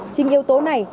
trình yếu tố này